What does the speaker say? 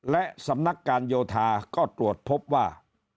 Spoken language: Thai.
และสำนักการโยธาก็ตรวจพบว่า